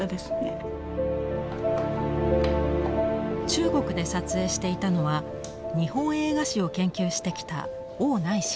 中国で撮影していたのは日本映画史を研究してきた王乃真さん。